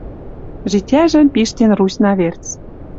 Житяжӹм пиштен Русьна верц.